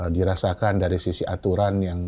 dirasakan dari sisi aturan yang